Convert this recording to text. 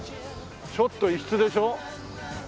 ちょっと異質でしょ？